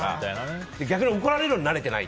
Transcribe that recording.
逆に怒られるのに慣れてない。